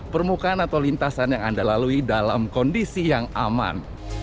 permukaan atau lintasan yang anda lalui dalam kondisi yang aman